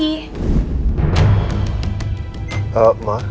ini randy kan